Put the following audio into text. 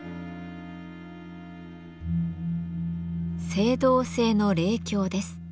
青銅製の鈴鏡です。